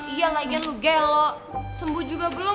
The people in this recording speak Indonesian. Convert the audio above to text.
iya lah iya lo gelo sembuh juga belum